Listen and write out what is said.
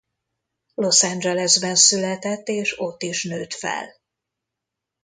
Los Angelesben született és ott is nőtt fel.